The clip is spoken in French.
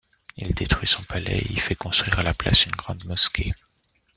Il détruit son palais et y fait construire à la place une grande mosquée.